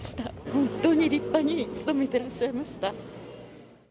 本当に立派につとめてらっしゃいました。